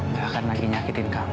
dan akan lagi nyakitin kamu